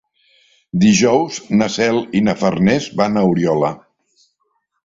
Dijous na Cel i na Farners van a Oriola.